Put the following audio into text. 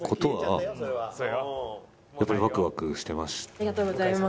ありがとうございます。